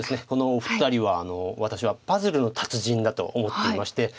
このお二人は私はパズルの達人だと思っていまして。